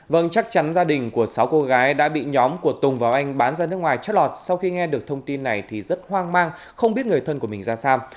vâng chắc chắn gia đình của sáu cô gái đã bị nhóm của tùng và anh bán ra nước ngoài chót lọt sau khi nghe được thông tin này thì rất hoang mang không biết người thân của mình ra xa